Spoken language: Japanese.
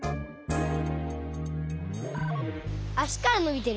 あしからのびてる。